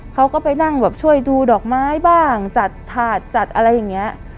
เขาก็ไปนั่งแบบช่วยดูดอกไม้บ้างจัดถาดจัดอะไรอย่างนี้